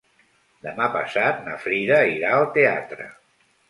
Demà passat na Frida irà al teatre.